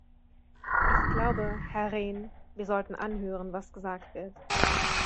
Ich glaube, Herr Rehn, wir sollten anhören, was gesagt wird.